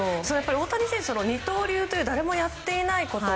大谷選手、二刀流という誰もやっていないこと。